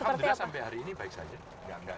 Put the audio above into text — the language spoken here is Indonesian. saya berpikir sampai hari ini baik saja